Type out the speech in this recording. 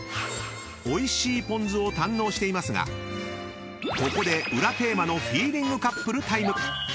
［おいしいぽん酢を堪能していますがここで裏テーマのフィーリングカップルタイム］